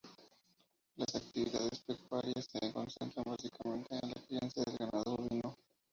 Las actividades pecuarias se concentran básicamente en la crianza de ganado bovino.